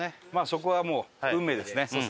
そこはもう運命ですね。